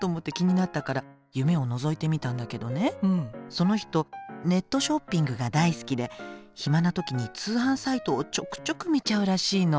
その人ネットショッピングが大好きで暇な時に通販サイトをちょくちょく見ちゃうらしいの。